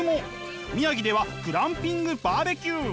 宮城ではグランピングバーベキュー。